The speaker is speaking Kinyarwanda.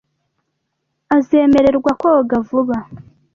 Azemererwa koga vuba .